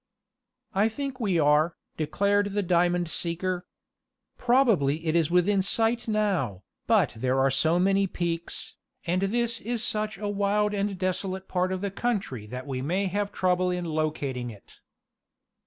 "I think we are," declared the diamond seeker. "Probably it is within sight now, but there are so many peaks, and this is such a wild and desolate part of the country that we may have trouble in locating it."